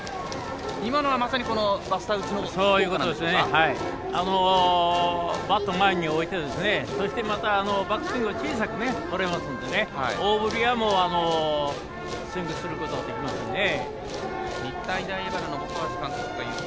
今のは、まさにバスター打ちバットを前においてバックスイングを小さく取れますので大振りは、スイングすることができますね。